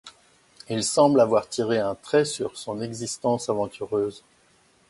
Il semble alors avoir tiré un trait sur son existence aventureuse.